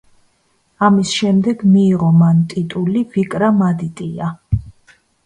ამის შემდეგ მიიღო მან ტიტული ვიკრამადიტია.